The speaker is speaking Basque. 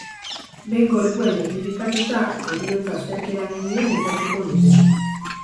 Behin gorpua identifikatuta, heriotza zerk eragin dion ikertuko dute.